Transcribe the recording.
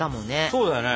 そうだよね！